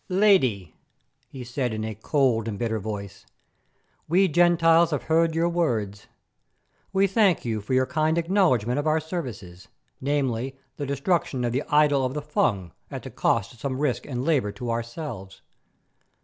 "Lady," he said, in a cold and bitter voice, "we 'Gentiles' have heard your words. We thank you for your kind acknowledgment of our services, namely, the destruction of the idol of the Fung at the cost of some risk and labour to ourselves.